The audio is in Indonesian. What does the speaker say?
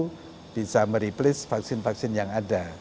itu bisa mereplace vaksin vaksin yang ada